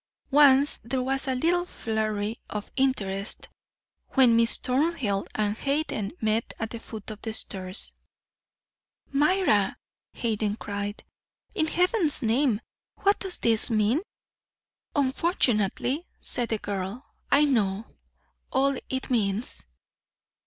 Once there was a little flurry of interest when Miss Thornhill and Hayden met at the foot of the stairs. "Myra!" Hayden cried. "In heaven's name what does this mean?" "Unfortunately," said the girl, "I know all it means."